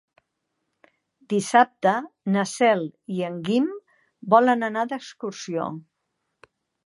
Dissabte na Cel i en Guim volen anar d'excursió.